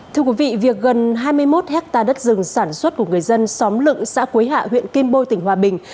thưa quý vị việc gần hai mươi một hectare đất rừng sản xuất của người dân xóm lựng xã quế hạ huyện kim bôi tỉnh hòa bình